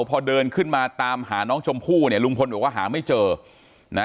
พอเดินขึ้นมาตามหาน้องชมพู่เนี่ยลุงพลบอกว่าหาไม่เจอนะ